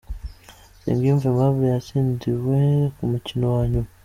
Nsengiyumva Aimable yatsindiwe ku mukino wa nyuma.